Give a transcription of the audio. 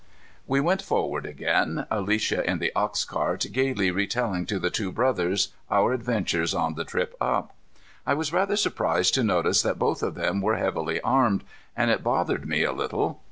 We went forward again, Alicia, in the ox cart, gayly retailing to the two brothers our adventures on the trip up. I was rather surprised to notice that both of them were heavily armed, and it bothered me a little.